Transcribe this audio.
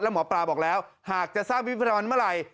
แล้วหมอปลาบอกแล้วหากจะสร้างพิพิธภัณฑ์เมื่อไหร่